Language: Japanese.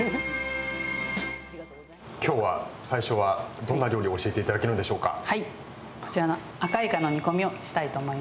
今日は最初はどんな料理を教えて頂けるんでしょうか？